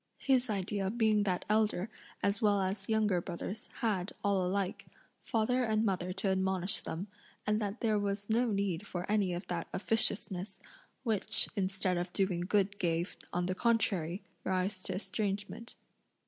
His idea being that elder as well as younger brothers had, all alike, father and mother to admonish them, and that there was no need for any of that officiousness, which, instead of doing good gave, on the contrary, rise to estrangement.